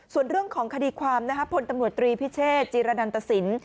ส่วนเรื่องของคดีความนะครับพลตำรวจตรีพิเชษจีรนันตสิน